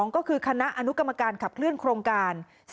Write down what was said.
ก็คือคณะอนุกรรมการขับเคลื่อนโครงการ